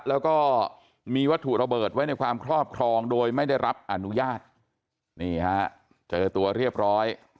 แล้วก็มีวัตถุระเบิดไว้ในความครอบครองโดยไม่ได้รับอนุญาตนี่ฮะเจอตัวเรียบร้อย